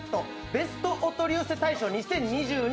ベストお取り寄せ大賞２０２２